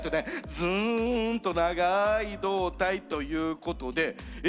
ずんと長い胴体ということでえ？